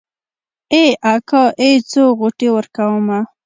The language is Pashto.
ای اکا ای څو غوټې ورکمه.